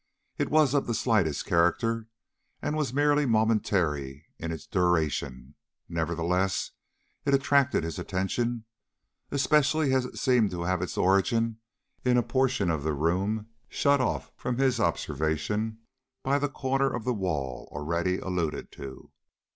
It was of the slightest character, and was merely momentary in its duration; nevertheless, it attracted his attention, especially as it seemed to have its origin in a portion of the room shut off from his observation by the corner of the wall already alluded to.